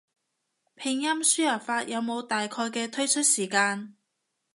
拼音輸入法有冇大概嘅推出時間？